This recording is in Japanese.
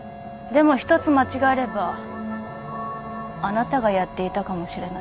でも一つ間違えればあなたがやっていたかもしれない。